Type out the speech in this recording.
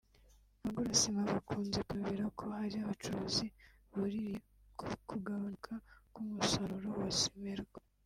Abagura sima bakunze kwinubira ko hari abacuruzi buririye ku kugabanuka k’umusaruro wa Cimerwa